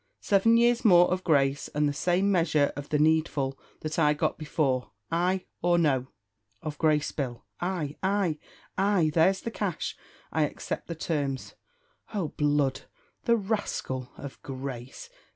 "Seven years more of grace, and the same measure of the needful that I got before. Ay or no?" "Of grace, Bill! Ay! ay! ay! There's the cash. I accept the terms. Oh blood! the rascal of grace!!